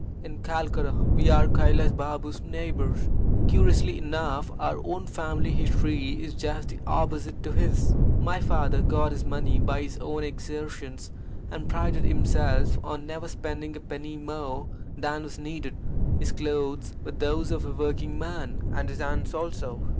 In Calcutta we are Kailas Baba's neighbours. Curiously enough our own family history is just the opposite to his. My father got his money by his own exertions, and prided himself on never spending a penny more than was needed. His clothes were those of a working man, and his hands also.